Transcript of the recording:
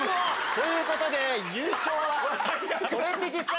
ということで優勝は「それって⁉